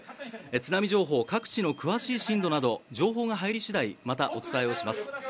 津波情報、各地の詳しい震度など情報が入り次第また、お伝えをします。